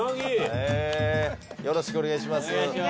へぇよろしくお願いします。